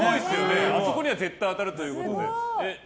あそこには絶対当たるということで。